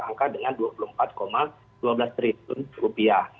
angka dengan dua puluh empat dua belas triliun rupiah